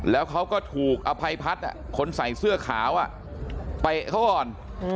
แล้วเขาก็ถูกอภัยพัดคนใส่เสื้อขาวไปเข้าออน